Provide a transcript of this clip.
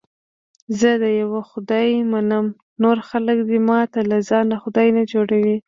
زه د یوه خدای منم، نور خلک دې ماته له ځانه خدای نه جوړي.